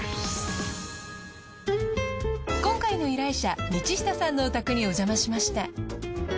今回の依頼者道下さんのお宅におじゃましました。